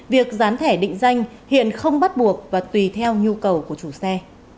việc gián thẻ định danh hiện không bắt buộc và tùy theo nhu cầu của chủ xe